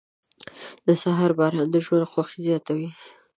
• د سهار باران د ژوند خوښي زیاتوي.